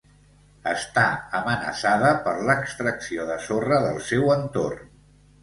Està amenaçada per l'extracció de sorra del seu entorn.